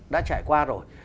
đã trải qua rồi